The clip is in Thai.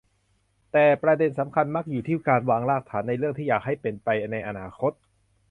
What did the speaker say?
แต่ประเด็นสำคัญมักอยู่ที่การวางรากฐานในเรื่องที่อยากให้เป็นไปในอนาคต